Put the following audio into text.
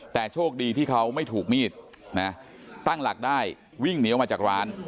แต่โชคดีที่เขาไม่ถูกมีดนะตั้งหลักได้วิ่งเหนียวมาจากร้าน